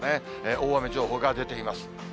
大雨情報が出ています。